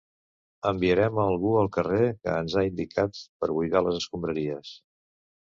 Enviarem a algú al carrer que ens ha indicat per buidar les escombraries.